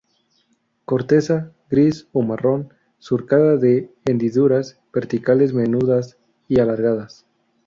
Corteza: Gris o marrón, surcada de hendiduras verticales menudas y alargadas.